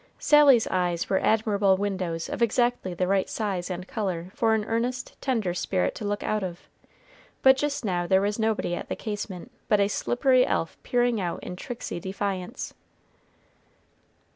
Sally's eyes were admirable windows of exactly the right size and color for an earnest, tender spirit to look out of, but just now there was nobody at the casement but a slippery elf peering out in tricksy defiance.